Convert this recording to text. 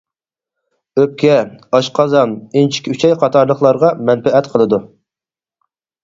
ئۆپكە، ئاشقازان، ئىنچىكە ئۈچەي قاتارلىقلارغا مەنپەئەت قىلىدۇ.